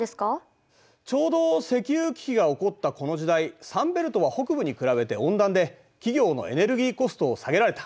ちょうど石油危機が起こったこの時代サンベルトは北部に比べて温暖で企業のエネルギーコストを下げられた。